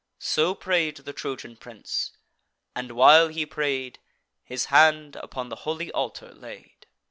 So pray'd the Trojan prince, and, while he pray'd, His hand upon the holy altar laid.